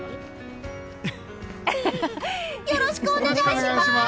よろしくお願いします！